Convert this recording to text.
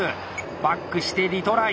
バックしてリトライ。